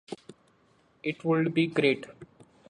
It would be great.